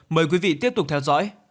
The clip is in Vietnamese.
mời quý vị tiếp tục theo dõi